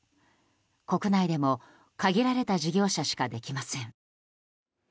国内でも限られた事業者しかできません。